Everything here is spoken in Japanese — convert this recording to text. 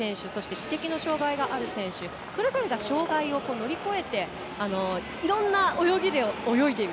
知的の障がいがある選手それぞれが障がいを乗り越えていろんな泳ぎで泳いでいる。